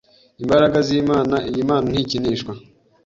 imbaraga z’Imana iyi Mana ntikinishwa